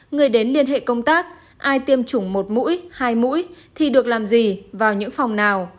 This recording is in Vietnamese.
người đến liên hệ công tác ai tiêm chủng một mũi hai mũi thì được làm gì vào những phòng nào